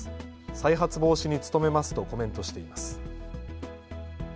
再発防止に努めますとコメントしています。